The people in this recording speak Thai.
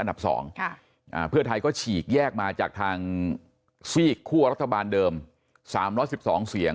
พักอันดับสองค่ะอ่าเพื่อไทยก็ฉีกแยกมาจากทางซี่กคู่กับรัฐบาลเดิม๓๐๐สี่สองเสียง